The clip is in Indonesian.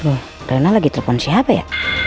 loh reina lagi telepon siapa ya